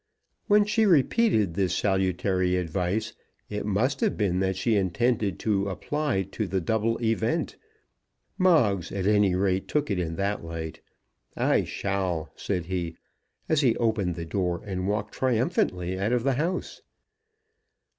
When she repeated this salutary advice, it must have been that she intended to apply to the double event. Moggs at any rate took it in that light. "I shall," said he, as he opened the door and walked triumphantly out of the house.